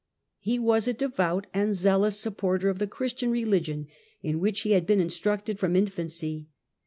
" He was a devout and zealous supporter of the Christian religion, in which he had been instructed from infancy.